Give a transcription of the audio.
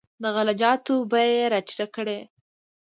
د غله جاتو بیې یې راټیټې کړې.